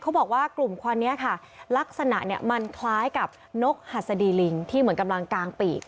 เขาบอกว่ากลุ่มควันนี้ค่ะลักษณะเนี่ยมันคล้ายกับนกหัสดีลิงที่เหมือนกำลังกางปีก